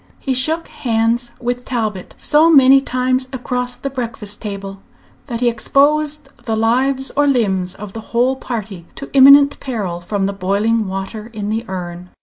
He shook hands with Talbot so many times across the breakfast table that he exposed the lives or limbs of the whole party to imminent peril from the boiling water in the urn.